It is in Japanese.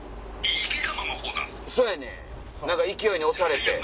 そやねん勢いに押されて。